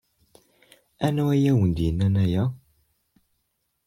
Anwa i awen-d-yennan aya?